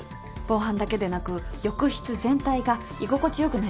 防犯だけでなく浴室全体が居心地よくなります。